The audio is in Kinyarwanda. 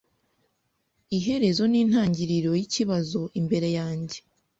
Iherezo nintangiriro yikibazo imbere yanjye .